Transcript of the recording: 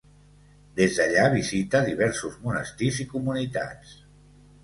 Des d'allà visita diversos monestirs i comunitats.